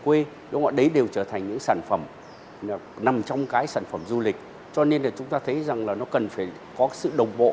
các vùng quê đều trở thành những sản phẩm nằm trong cái sản phẩm du lịch cho nên là chúng ta thấy rằng là nó cần phải có sự đồng bộ